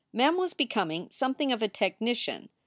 Mem was becoming something of a technician.